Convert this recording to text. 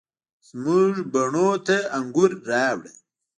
زموږ بڼوڼو ته انګور، راوړه،